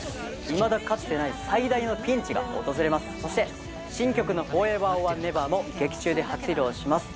いまだかつてない最大のピンチが訪れますそして新曲の「ＦｏｒｅｖｅｒｏｒＮｅｖｅｒ」も劇中で初披露します